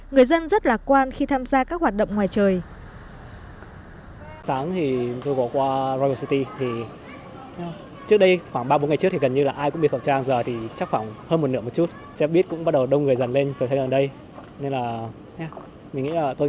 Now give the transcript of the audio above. người dân rất lạc quan khi tham gia các hoạt động ngoài trời